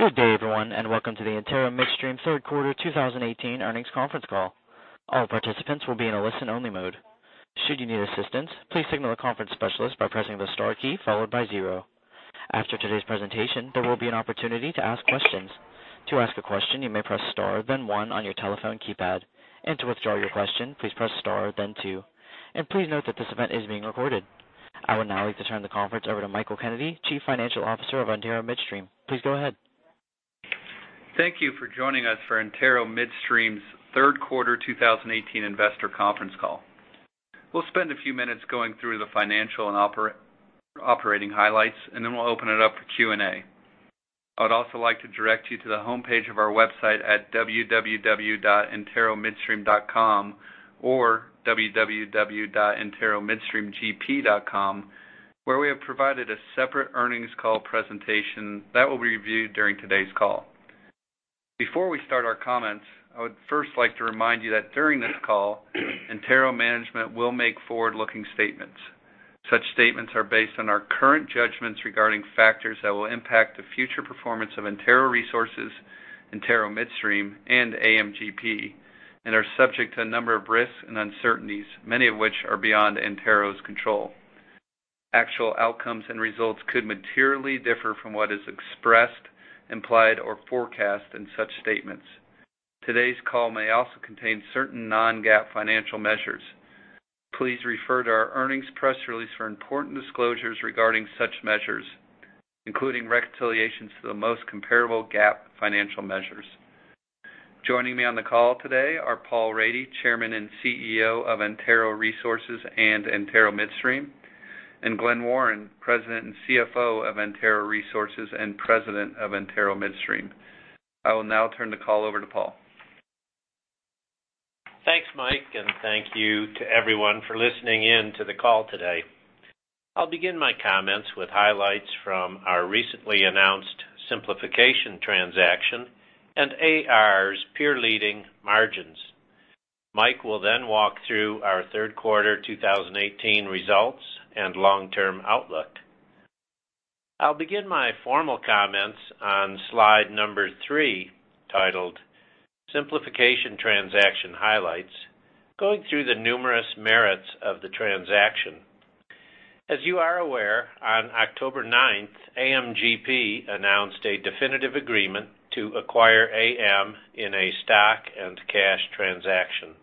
Good day, everyone, and welcome to the Antero Midstream third quarter 2018 earnings conference call. All participants will be in a listen-only mode. Should you need assistance, please signal a conference specialist by pressing the star key followed by zero. After today's presentation, there will be an opportunity to ask questions. To ask a question, you may press star then one on your telephone keypad. To withdraw your question, please press star then two. Please note that this event is being recorded. I would now like to turn the conference over to Michael Kennedy, Chief Financial Officer of Antero Midstream. Please go ahead. Thank you for joining us for Antero Midstream's third quarter 2018 investor conference call. We'll spend a few minutes going through the financial and operating highlights. Then we'll open it up for Q&A. I would also like to direct you to the homepage of our website at www.anteromidstream.com or www.anteromidstreamgp.com, where we have provided a separate earnings call presentation that will be reviewed during today's call. Before we start our comments, I would first like to remind you that during this call, Antero management will make forward-looking statements. Such statements are based on our current judgments regarding factors that will impact the future performance of Antero Resources, Antero Midstream, and AMGP, are subject to a number of risks and uncertainties, many of which are beyond Antero's control. Actual outcomes and results could materially differ from what is expressed, implied, or forecast in such statements. Today's call may also contain certain non-GAAP financial measures. Please refer to our earnings press release for important disclosures regarding such measures, including reconciliations to the most comparable GAAP financial measures. Joining me on the call today are Paul Rady, Chairman and CEO of Antero Resources and Antero Midstream, and Glen Warren, President and CFO of Antero Resources and President of Antero Midstream. I will now turn the call over to Paul. Thanks, Mike. Thank you to everyone for listening in to the call today. I'll begin my comments with highlights from our recently announced simplification transaction and AR's peer leading margins. Mike will walk through our third quarter 2018 results and long-term outlook. I'll begin my formal comments on slide number three, titled "Simplification Transaction Highlights," going through the numerous merits of the transaction. As you are aware, on October ninth, AMGP announced a definitive agreement to acquire AM in a stock and cash transaction.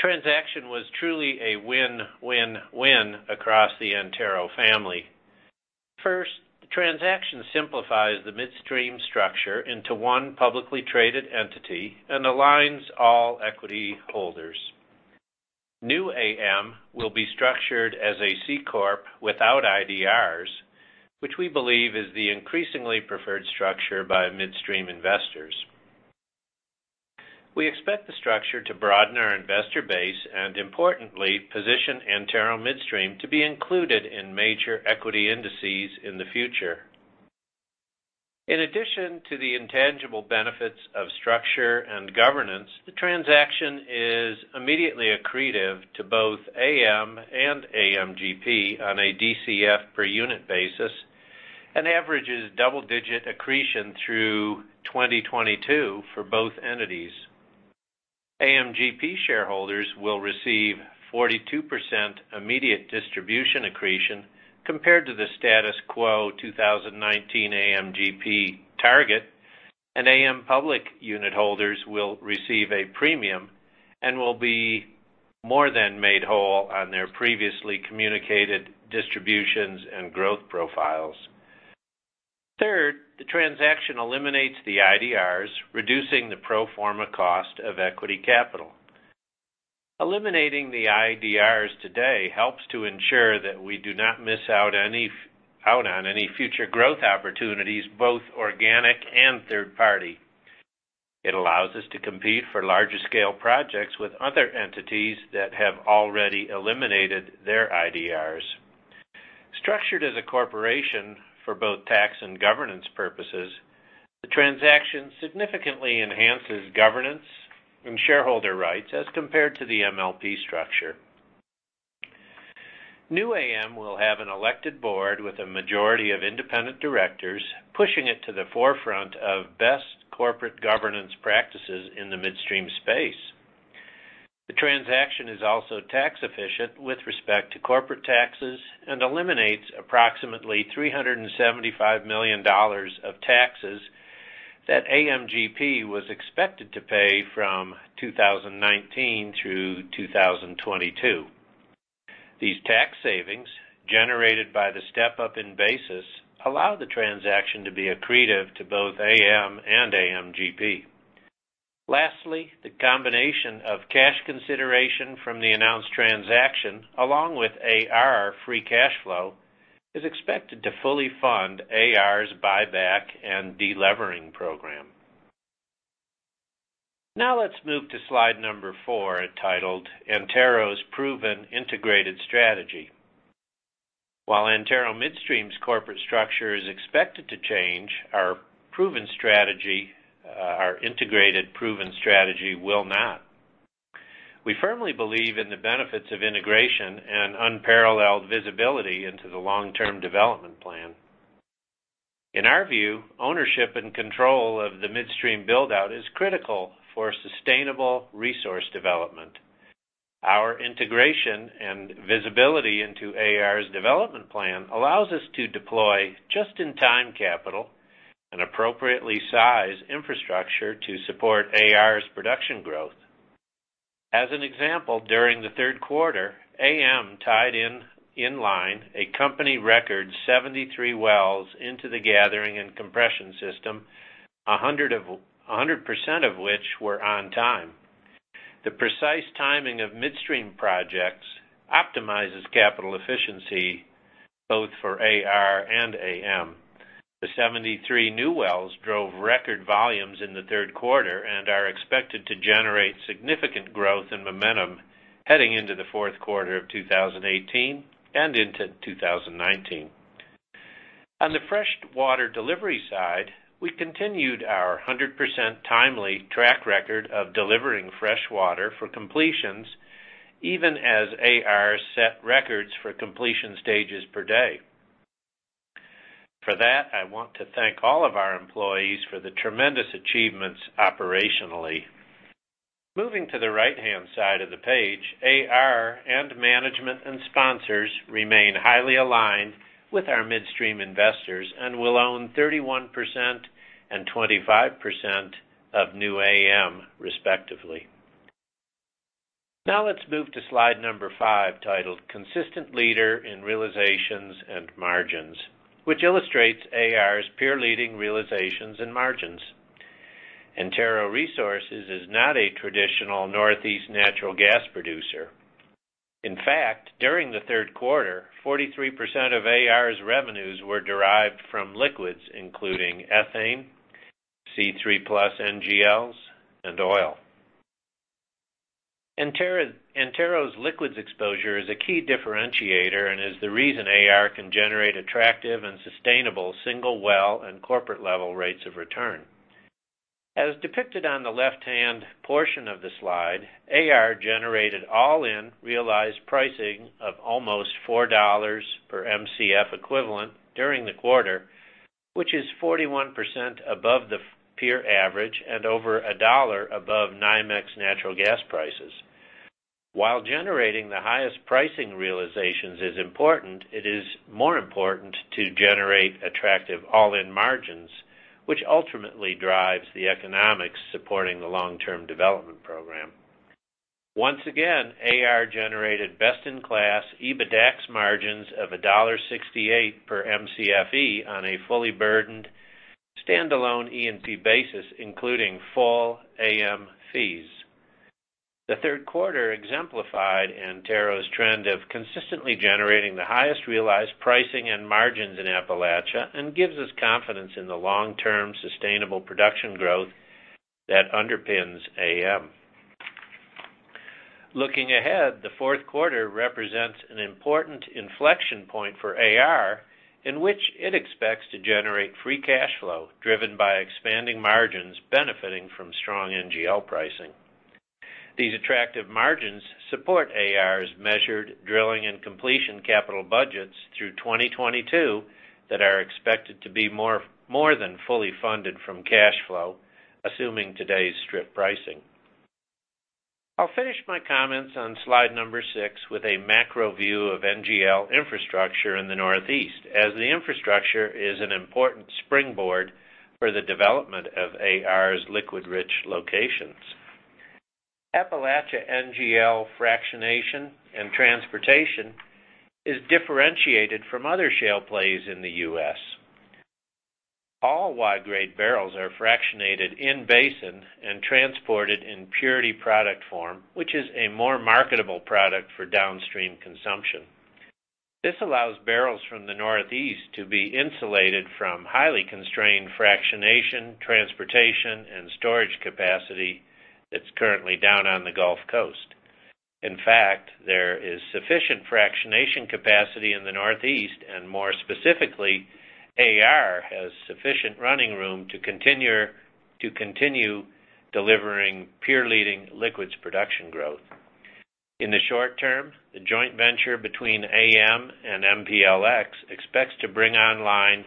Transaction was truly a win-win-win across the Antero family. First, the transaction simplifies the midstream structure into one publicly traded entity and aligns all equity holders. New AM will be structured as a C corp without IDRs, which we believe is the increasingly preferred structure by midstream investors. We expect the structure to broaden our investor base and importantly, position Antero Midstream to be included in major equity indices in the future. In addition to the intangible benefits of structure and governance, the transaction is immediately accretive to both AM and AMGP on a DCF per unit basis and averages double-digit accretion through 2022 for both entities. AMGP shareholders will receive 42% immediate distribution accretion compared to the status quo 2019 AMGP target, and AM public unitholders will receive a premium and will be more than made whole on their previously communicated distributions and growth profiles. Third, the transaction eliminates the IDRs, reducing the pro forma cost of equity capital. Eliminating the IDRs today helps to ensure that we do not miss out on any future growth opportunities, both organic and third party. It allows us to compete for larger scale projects with other entities that have already eliminated their IDRs. Structured as a corporation for both tax and governance purposes, the transaction significantly enhances governance and shareholder rights as compared to the MLP structure. New AM will have an elected board with a majority of independent directors, pushing it to the forefront of best corporate governance practices in the midstream space. The transaction is also tax efficient with respect to corporate taxes and eliminates approximately $375 million of taxes that AMGP was expected to pay from 2019 through 2022. These tax savings, generated by the step-up in basis, allow the transaction to be accretive to both AM and AMGP. The combination of cash consideration from the announced transaction, along with AR free cash flow, is expected to fully fund AR's buyback and de-levering program. Let's move to slide number four, titled "Antero's Proven Integrated Strategy." While Antero Midstream's corporate structure is expected to change, our integrated proven strategy will not. We firmly believe in the benefits of integration and unparalleled visibility into the long-term development plan. In our view, ownership and control of the midstream build-out is critical for sustainable resource development. Our integration and visibility into AR's development plan allows us to deploy just-in-time capital and appropriately sized infrastructure to support AR's production growth. As an example, during the third quarter, AM tied in line a company record 73 wells into the gathering and compression system, 100% of which were on time. The precise timing of midstream projects optimizes capital efficiency both for AR and AM. The 73 new wells drove record volumes in the third quarter and are expected to generate significant growth and momentum heading into the fourth quarter of 2018 and into 2019. On the fresh water delivery side, we continued our 100% timely track record of delivering fresh water for completions, even as AR set records for completion stages per day. For that, I want to thank all of our employees for the tremendous achievements operationally. AR and management and sponsors remain highly aligned with our midstream investors and will own 31% and 25% of new AM respectively. Let's move to slide number five, titled Consistent Leader in Realizations and Margins, which illustrates AR's peer-leading realizations and margins. Antero Resources is not a traditional Northeast natural gas producer. In fact, during the third quarter, 43% of AR's revenues were derived from liquids, including ethane, C3+ NGLs, and oil. Antero's liquids exposure is a key differentiator and is the reason AR can generate attractive and sustainable single well and corporate-level rates of return. As depicted on the left-hand portion of the slide, AR generated all-in realized pricing of almost $4 per Mcf equivalent during the quarter, which is 41% above the peer average and over $1 above NYMEX natural gas prices. While generating the highest pricing realizations is important, it is more important to generate attractive all-in margins, which ultimately drives the economics supporting the long-term development program. Once again, AR generated best-in-class EBITDAX margins of $1.68 per Mcfe on a fully burdened standalone E&P basis, including full AM fees. The third quarter exemplified Antero's trend of consistently generating the highest realized pricing and margins in Appalachia and gives us confidence in the long-term sustainable production growth that underpins AM. Looking ahead, the fourth quarter represents an important inflection point for AR, in which it expects to generate free cash flow driven by expanding margins benefiting from strong NGL pricing. These attractive margins support AR's measured drilling and completion capital budgets through 2022 that are expected to be more than fully funded from cash flow, assuming today's strip pricing. I'll finish my comments on slide number six with a macro view of NGL infrastructure in the Northeast, as the infrastructure is an important springboard for the development of AR's liquid-rich locations. Appalachia NGL fractionation and transportation is differentiated from other shale plays in the U.S. All Y-grade barrels are fractionated in-basin and transported in purity product form, which is a more marketable product for downstream consumption. This allows barrels from the Northeast to be insulated from highly constrained fractionation, transportation, and storage capacity that's currently down on the Gulf Coast. In fact, there is sufficient fractionation capacity in the Northeast, and more specifically, AR has sufficient running room to continue delivering peer-leading liquids production growth. In the short term, the joint venture between AM and MPLX expects to bring online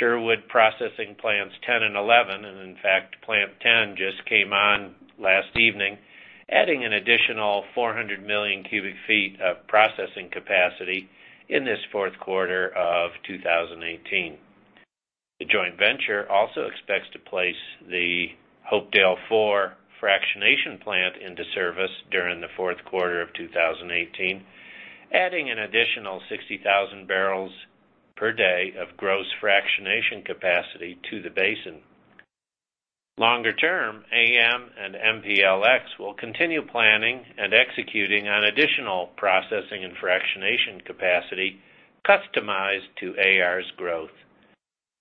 Sherwood processing plants 10 and 11, and in fact, plant 10 just came on last evening, adding an additional 400 million cubic feet of processing capacity in this fourth quarter of 2018. The joint venture also expects to place the Hopedale 4 fractionation plant into service during the fourth quarter of 2018, adding an additional 60,000 barrels per day of gross fractionation capacity to the basin. Longer term, AM and MPLX will continue planning and executing on additional processing and fractionation capacity customized to AR's growth.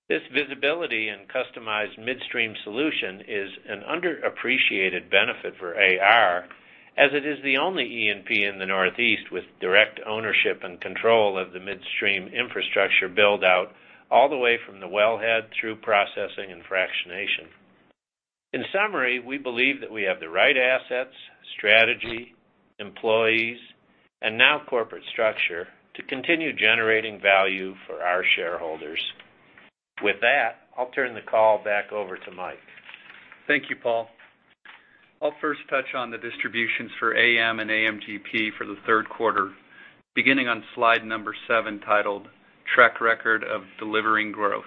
This visibility and customized midstream solution is an underappreciated benefit for AR, as it is the only E&P in the Northeast with direct ownership and control of the midstream infrastructure build-out all the way from the wellhead through processing and fractionation. In summary, we believe that we have the right assets, strategy, employees, and now corporate structure to continue generating value for our shareholders. With that, I'll turn the call back over to Mike. Thank you, Paul. I'll first touch on the distributions for AM and AMGP for the third quarter, beginning on slide number seven, titled, "Track Record of Delivering Growth."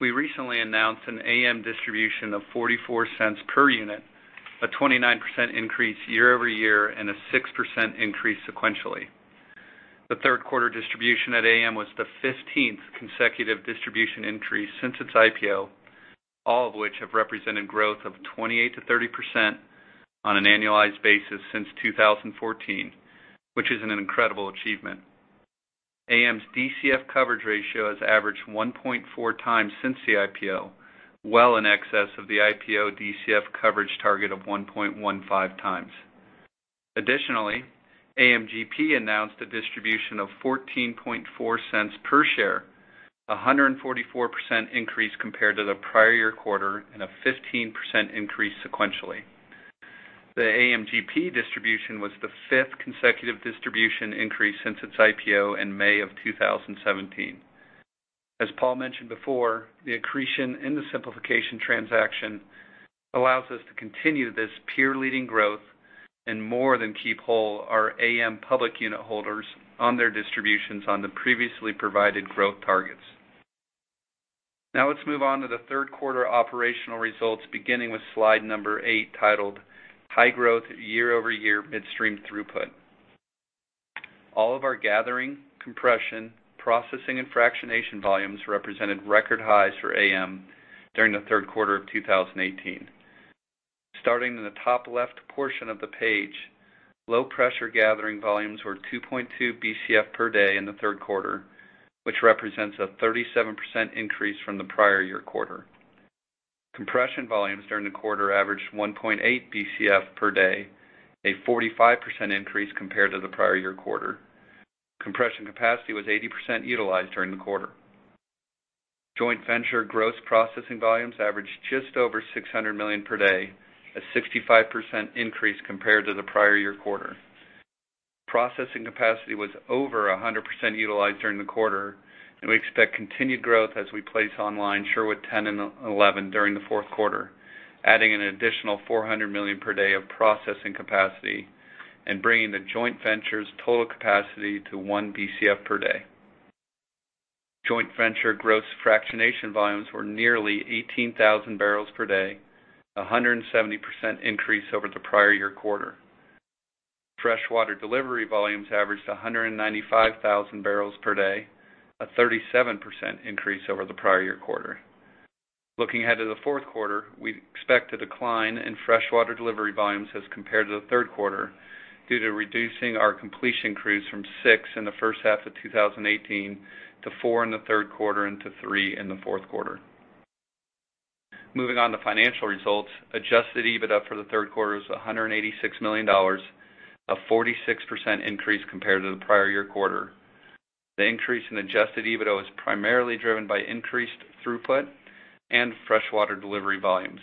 We recently announced an AM distribution of $0.44 per unit, a 29% increase year-over-year, and a 6% increase sequentially. The third quarter distribution at AM was the 15th consecutive distribution increase since its IPO, all of which have represented growth of 28%-30% on an annualized basis since 2014, which is an incredible achievement. AM's DCF coverage ratio has averaged 1.4 times since the IPO, well in excess of the IPO DCF coverage target of 1.15 times. Additionally, AMGP announced a distribution of $0.144 per share, a 144% increase compared to the prior year quarter, and a 15% increase sequentially. The AMGP distribution was the fifth consecutive distribution increase since its IPO in May of 2017. As Paul mentioned before, the accretion in the simplification transaction allows us to continue this peer-leading growth and more than keep whole our AM public unit holders on their distributions on the previously provided growth targets. Let's move on to the third quarter operational results, beginning with slide number eight, titled, "High Growth Year-Over-Year Midstream Throughput." All of our gathering, compression, processing, and fractionation volumes represented record highs for AM during the third quarter of 2018. Starting in the top left portion of the page, low pressure gathering volumes were 2.2 BCF per day in the third quarter, which represents a 37% increase from the prior year quarter. Compression volumes during the quarter averaged 1.8 BCF per day, a 45% increase compared to the prior year quarter. Compression capacity was 80% utilized during the quarter. Joint venture gross processing volumes averaged just over 600 million per day, a 65% increase compared to the prior year quarter. Processing capacity was over 100% utilized during the quarter, and we expect continued growth as we place online Sherwood 10 and 11 during the fourth quarter, adding an additional 400 million per day of processing capacity and bringing the joint venture's total capacity to 1 BCF per day. Joint venture gross fractionation volumes were nearly 18,000 barrels per day, a 170% increase over the prior year quarter. Freshwater delivery volumes averaged 195,000 barrels per day, a 37% increase over the prior year quarter. Looking ahead to the fourth quarter, we expect a decline in freshwater delivery volumes as compared to the third quarter due to reducing our completion crews from six in the first half of 2018, to four in the third quarter, and to three in the fourth quarter. Moving on to financial results, adjusted EBITDA for the third quarter was $186 million, a 46% increase compared to the prior year quarter. The increase in adjusted EBITDA is primarily driven by increased throughput and freshwater delivery volumes.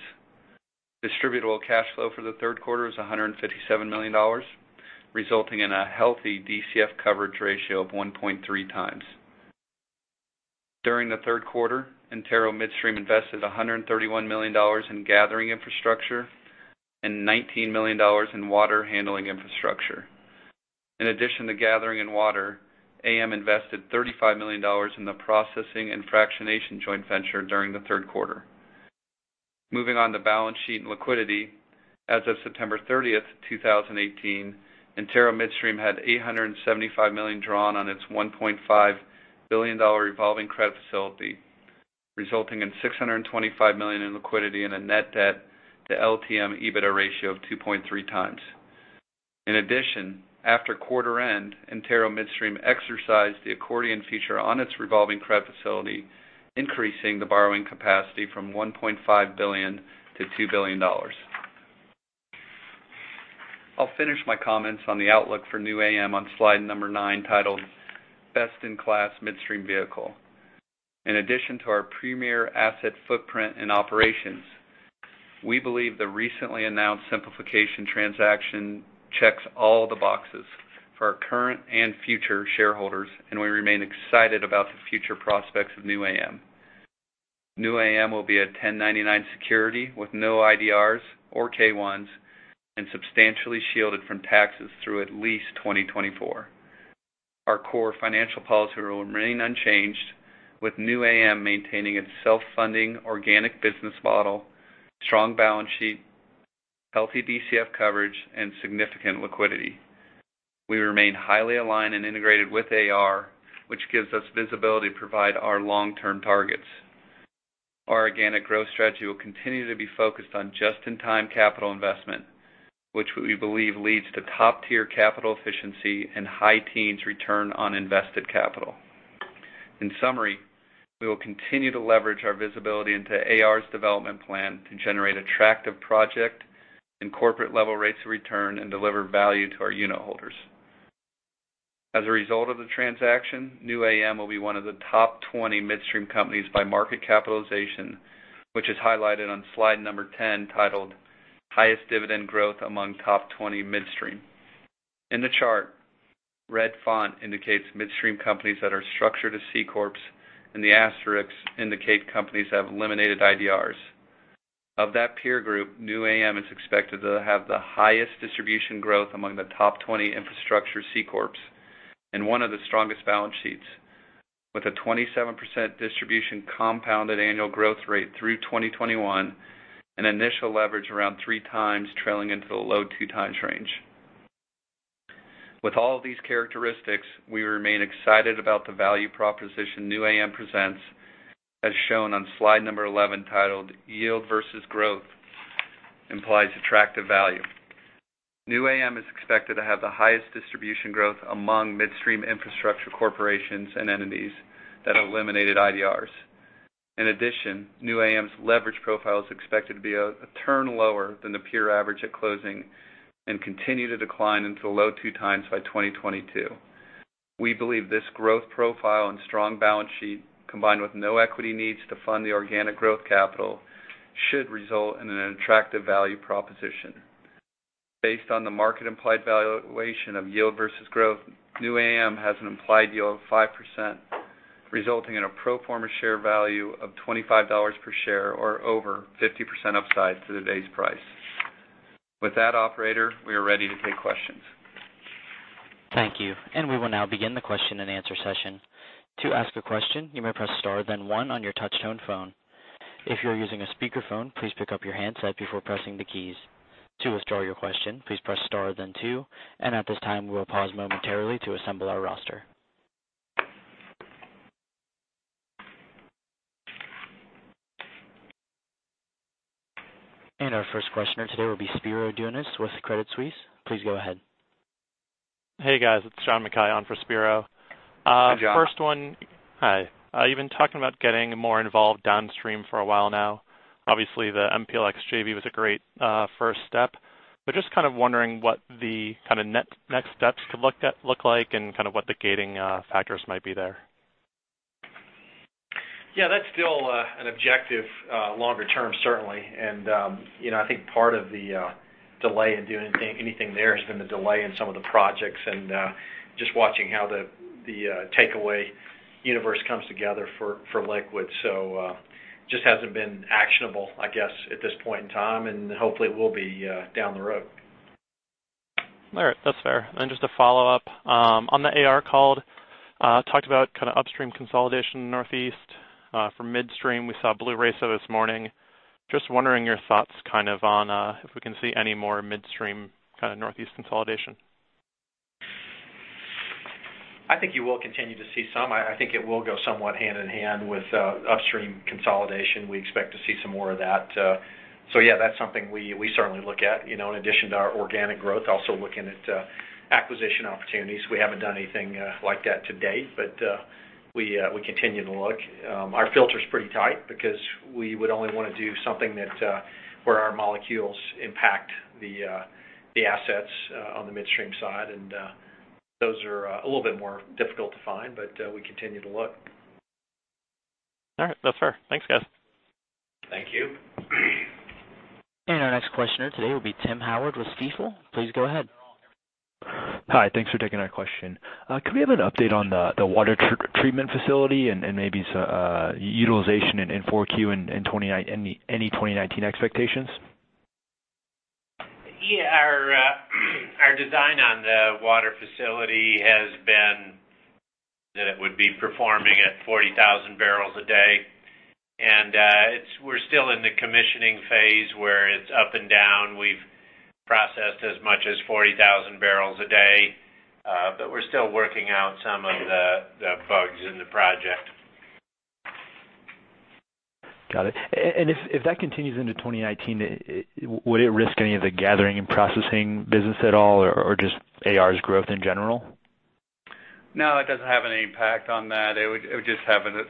Distributable cash flow for the third quarter was $157 million, resulting in a healthy DCF coverage ratio of 1.3 times. During the third quarter, Antero Midstream invested $131 million in gathering infrastructure and $19 million in water handling infrastructure. In addition to gathering and water, AM invested $35 million in the processing and fractionation joint venture during the third quarter. Moving on to balance sheet and liquidity, as of September 30, 2018, Antero Midstream had $875 million drawn on its $1.5 billion revolving credit facility, resulting in $625 million in liquidity and a net debt to LTM EBITDA ratio of 2.3 times. In addition, after quarter end, Antero Midstream exercised the accordion feature on its revolving credit facility, increasing the borrowing capacity from $1.5 billion to $2 billion. I'll finish my comments on the outlook for New AM on slide number 9, titled, "Best in Class Midstream Vehicle." In addition to our premier asset footprint and operations, we believe the recently announced simplification transaction checks all the boxes for our current and future shareholders. We remain excited about the future prospects of New AM. New AM will be a 1099 security with no IDRs or K-1s and substantially shielded from taxes through at least 2024. Our core financial policy will remain unchanged, with New AM maintaining its self-funding organic business model, strong balance sheet, healthy DCF coverage, and significant liquidity. We remain highly aligned and integrated with AR, which gives us visibility to provide our long-term targets. Our organic growth strategy will continue to be focused on just-in-time capital investment, which we believe leads to top-tier capital efficiency and high teens return on invested capital. In summary, we will continue to leverage our visibility into AR's development plan to generate attractive project and corporate-level rates of return and deliver value to our unitholders. As a result of the transaction, New AM will be one of the top 20 midstream companies by market capitalization, which is highlighted on slide number 10, titled Highest Dividend Growth Among Top 20 Midstream. In the chart, red font indicates midstream companies that are structured as C-corps, and the asterisks indicate companies that have eliminated IDRs. Of that peer group, New AM is expected to have the highest distribution growth among the top 20 infrastructure C-corps, and one of the strongest balance sheets. With a 27% distribution compounded annual growth rate through 2021, an initial leverage around 3 times trailing into the low 2 times range. With all these characteristics, we remain excited about the value proposition New AM presents, as shown on slide number 11, titled Yield versus Growth Implies Attractive Value. New AM is expected to have the highest distribution growth among midstream infrastructure corporations and entities that eliminated IDRs. In addition, New AM's leverage profile is expected to be a turn lower than the peer average at closing, and continue to decline into low 2 times by 2022. We believe this growth profile and strong balance sheet, combined with no equity needs to fund the organic growth capital, should result in an attractive value proposition. Based on the market-implied valuation of yield versus growth, New AM has an implied yield of 5%, resulting in a pro forma share value of $25 per share or over 50% upside to today's price. With that, operator, we are ready to take questions. Thank you. We will now begin the question and answer session. To ask a question, you may press star then one on your touch-tone phone. If you're using a speakerphone, please pick up your handset before pressing the keys. To withdraw your question, please press star then two. At this time, we will pause momentarily to assemble our roster. Our first questioner today will be Spiro Dounis with Credit Suisse. Please go ahead. Hey, guys. It's John Mackay on for Spiro. Hi, John. First one. Hi. You've been talking about getting more involved downstream for a while now. Obviously, the MPLX JV was a great first step. Just kind of wondering what the kind of next steps could look like, and what the gating factors might be there. That's still an objective longer term, certainly. I think part of the delay in doing anything there has been the delay in some of the projects, and just watching how the takeaway universe comes together for liquids. Just hasn't been actionable, I guess, at this point in time, and hopefully it will be down the road. All right. That's fair. Just a follow-up. On the AR call, talked about kind of upstream consolidation Northeast. From midstream, we saw Blue Racer this morning. Just wondering your thoughts on if we can see any more midstream kind of Northeast consolidation. I think you will continue to see some. I think it will go somewhat hand-in-hand with upstream consolidation. We expect to see some more of that. Yeah, that's something we certainly look at, in addition to our organic growth, also looking at acquisition opportunities. We haven't done anything like that to date, but we continue to look. Our filter's pretty tight because we would only want to do something where our molecules impact the assets on the midstream side, and those are a little bit more difficult to find, but we continue to look. All right. That's fair. Thanks, guys. Thank you. Our next questioner today will be Tim Howard with Stifel. Please go ahead. Hi. Thanks for taking our question. Could we have an update on the water treatment facility and maybe utilization in Q4 and any 2019 expectations? Yeah. Our design on the water facility has been that it would be performing at 40,000 barrels a day. We're still in the commissioning phase where it's up and down. We've processed as much as 40,000 barrels a day, but we're still working out some of the bugs in the project. Got it. If that continues into 2019, would it risk any of the gathering and processing business at all, or just AR's growth in general? No, it doesn't have any impact on that. It would just have a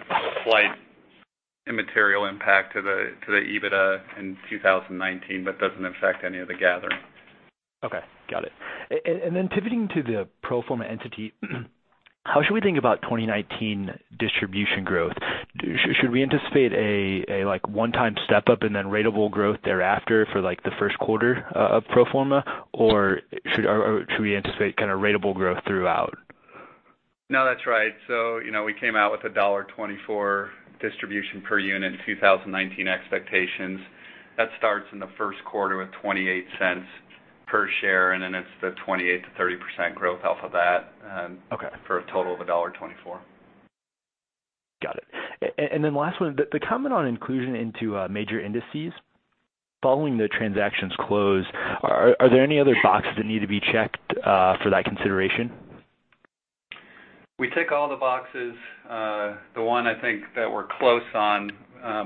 slight immaterial impact to the EBITDA in 2019, but doesn't affect any of the gathering. Okay. Got it. Then pivoting to the pro forma entity, how should we think about 2019 distribution growth? Should we anticipate a one-time step-up and then ratable growth thereafter for the first quarter of pro forma, or should we anticipate kind of ratable growth throughout? No, that's right. We came out with a $1.24 distribution per unit 2019 expectations. That starts in the first quarter with $0.28 per share, and then it's the 28%-30% growth off of that. Okay for a total of $1.24. Got it. Last one. The comment on inclusion into major indices following the transaction's close, are there any other boxes that need to be checked for that consideration? We tick all the boxes. The one I think that we're close on,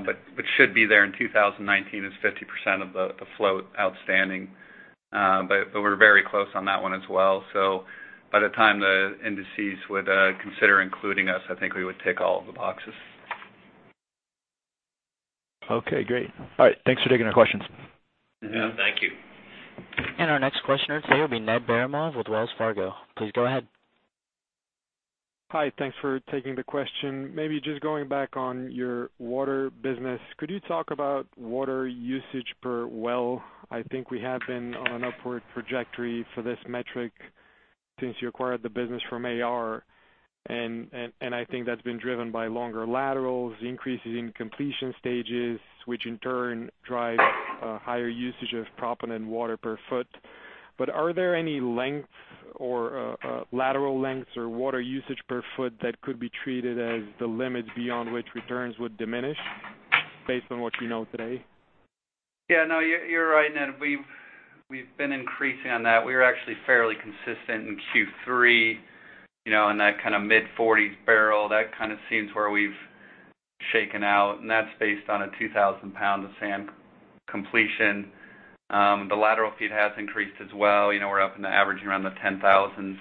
but should be there in 2019, is 50% of the float outstanding. We're very close on that one as well. By the time the indices would consider including us, I think we would tick all of the boxes. Okay, great. All right, thanks for taking our questions. Thank you. Our next questioner today will be Ned Baramov with Wells Fargo. Please go ahead. Hi. Thanks for taking the question. Maybe just going back on your water business, could you talk about water usage per well? I think we have been on an upward trajectory for this metric since you acquired the business from AR, and I think that's been driven by longer laterals, increases in completion stages, which in turn drives a higher usage of proppant water per foot. Are there any lengths or lateral lengths or water usage per foot that could be treated as the limit beyond which returns would diminish based on what you know today? Yeah, no, you're right, Ned. We've been increasing on that. We were actually fairly consistent in Q3, in that mid-forties barrel. That seems where we've shaken out, and that's based on a 2,000 pounds of sand completion. The lateral feet has increased as well. We're up in the average around the 10,000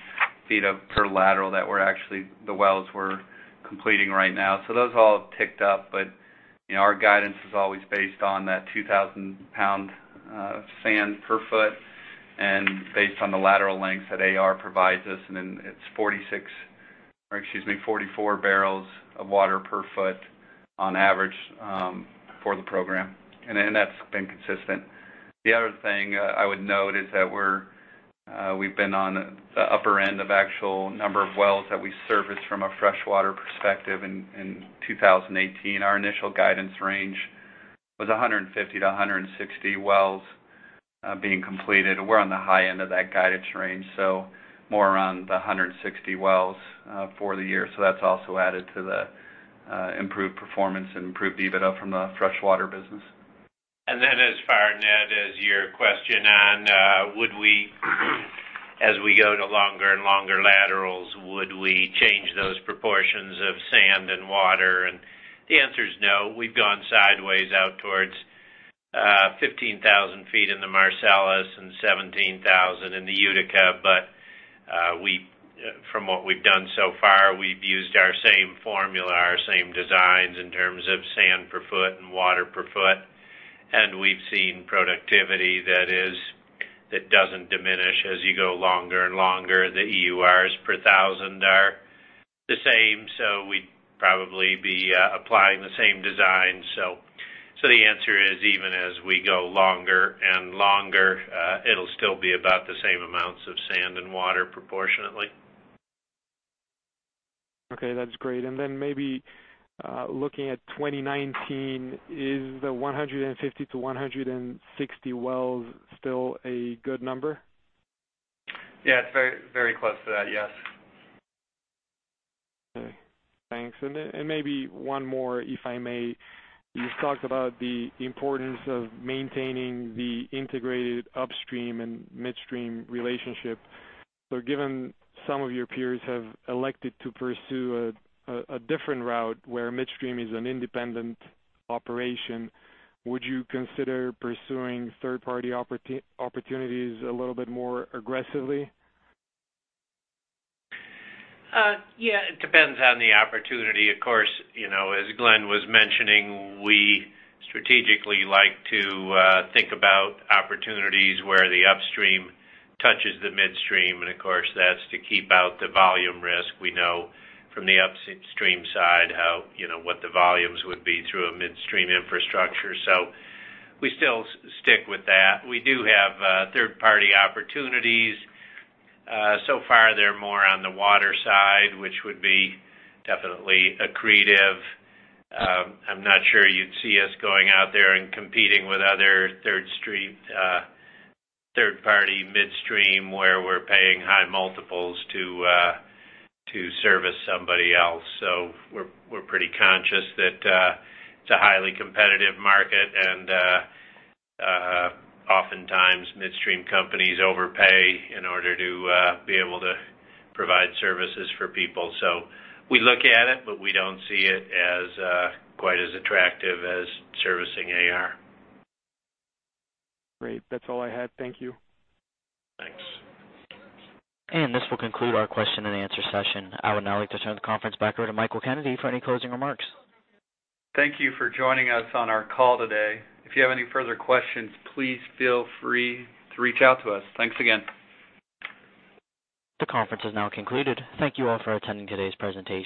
feet per lateral that we're actually the wells we're completing right now. Those all have ticked up, but our guidance is always based on that 2,000 pound sand per foot and based on the lateral lengths that AR provides us, and then it's 46, or excuse me, 44 barrels of water per foot on average for the program. That's been consistent. The other thing I would note is that we've been on the upper end of actual number of wells that we service from a freshwater perspective in 2018. Our initial guidance range was 150 to 160 wells being completed. We're on the high end of that guidance range, more around the 160 wells for the year. That's also added to the improved performance and improved EBITDA from the freshwater business. As far, Ned Baramov, as your question on would we, as we go to longer and longer laterals, would we change those proportions of sand and water? The answer is no. We've gone sideways out towards 15,000 feet in the Marcellus and 17,000 in the Utica. From what we've done so far, we've used our same formula, our same designs in terms of sand per foot and water per foot. We've seen productivity that doesn't diminish as you go longer and longer. The EURs per 1,000 are the same, we'd probably be applying the same design. The answer is, even as we go longer and longer, it'll still be about the same amounts of sand and water proportionately. Okay, that's great. Maybe looking at 2019, is the 150 to 160 wells still a good number? Yeah. It's very close to that. Yes. Okay. Thanks. Maybe one more, if I may. You've talked about the importance of maintaining the integrated upstream and midstream relationship. Given some of your peers have elected to pursue a different route where midstream is an independent operation, would you consider pursuing third-party opportunities a little bit more aggressively? Yeah. It depends on the opportunity. Of course, as Glen was mentioning, we strategically like to think about opportunities where the upstream touches the midstream, and of course, that's to keep out the volume risk. We know from the upstream side what the volumes would be through a midstream infrastructure. We still stick with that. We do have third-party opportunities. Far, they're more on the water side, which would be definitely accretive. I'm not sure you'd see us going out there and competing with other third-party midstream, where we're paying high multiples to service somebody else. We're pretty conscious that it's a highly competitive market, and oftentimes midstream companies overpay in order to be able to provide services for people. We look at it, but we don't see it as quite as attractive as servicing AR. Great. That's all I had. Thank you. Thanks. This will conclude our question and answer session. I would now like to turn the conference back over to Michael Kennedy for any closing remarks. Thank you for joining us on our call today. If you have any further questions, please feel free to reach out to us. Thanks again. The conference is now concluded. Thank you all for attending today's presentation